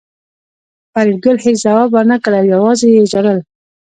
فریدګل هېڅ ځواب ورنکړ او یوازې یې ژړل